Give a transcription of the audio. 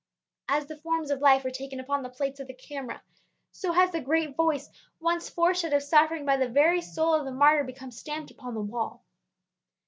As the forms of life are taken upon the plates of the camera, so has the great voice once forced out by suffering from the very soul of the martyr become stamped upon the wall.